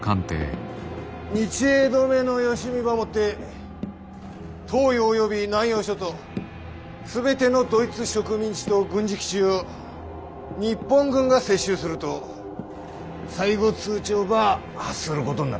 日英同盟のよしみばもって東洋および南洋諸島全てのドイツ植民地と軍事基地を日本軍が接収すると最後通牒ば発することになった。